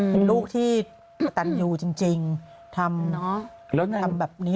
เป็นลูกที่ตัดอยู่จริงทำแบบนี้เป็นตัวอย่างที่ดี